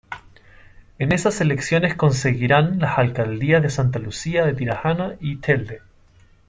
En esas elecciones conseguirán las alcaldías de Santa Lucía de Tirajana y Telde.